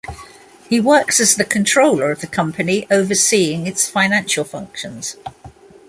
He works as the Controller of the company overseeing its financial functions.